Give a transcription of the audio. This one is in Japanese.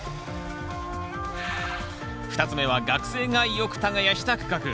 ２つ目は学生がよく耕した区画。